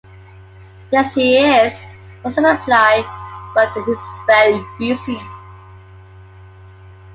‘Yes, he is,’ was the reply, ‘but he’s very busy'.